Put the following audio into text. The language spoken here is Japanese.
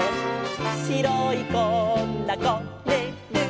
「しろいこなこねる」